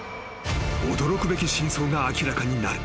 驚くべき真相が明らかになる］